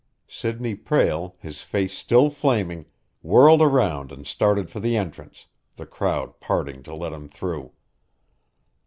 Sidney Prale, his face still flaming, whirled around and started for the entrance, the crowd parting to let him through.